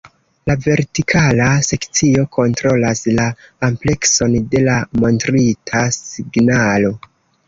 La vertikala sekcio kontrolas la amplekson de la montrita signalo.